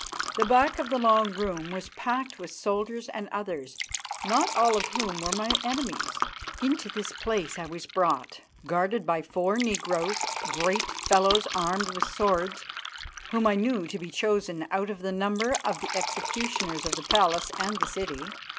The back of the long room was packed with soldiers and others, not all of whom were my enemies. Into this place I was brought, guarded by four negroes, great fellows armed with swords whom I knew to be chosen out of the number of the executioners of the palace and the city.